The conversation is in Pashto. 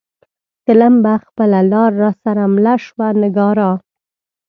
تلم به خپله لار را سره مله شوه نگارا